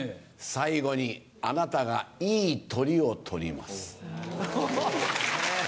最後にあなたがいいトリをとります。